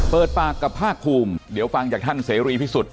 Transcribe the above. เปิดปากกับภาคภูมิเดี๋ยวฟังจากท่านเสรีพิสุทธิ์